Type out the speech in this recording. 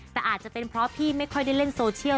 แต่อาจจะเป็นเพราะพี่ไม่ค่อยได้เล่นโซเชียล